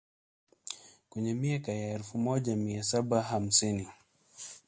kwenye miaka ya elfu moja mia saba hamsini